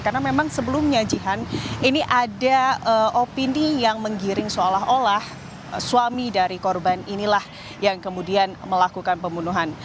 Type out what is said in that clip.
karena memang sebelumnya jihan ini ada opini yang menggiring seolah olah suami dari korban inilah yang kemudian melakukan pembunuhan